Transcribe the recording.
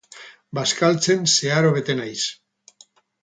Bazkaltzen zeharo bete naiz.